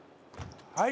はい。